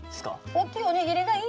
大きいおにぎりがいいなら。